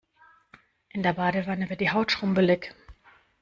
In der Badewanne wird die Haut schrumpelig.